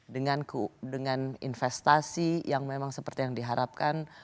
dengan investasi yang memang seperti yang diharapkan